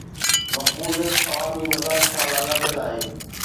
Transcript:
مقبوليت عوامي مذاق سان لاڳاپيل آهي.